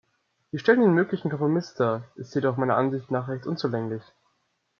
Sie stellt den möglichen Kompromiss dar, ist jedoch meiner Ansicht nach recht unzulänglich.